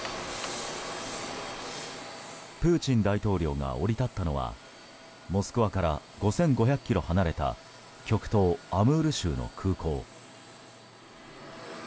プーチン大統領が降り立ったのはモスクワから５５００ｋｍ離れた極東アムール州の空港。